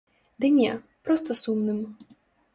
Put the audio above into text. Ды не, проста сумным.